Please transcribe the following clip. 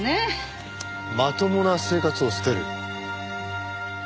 まともな生活を捨てる？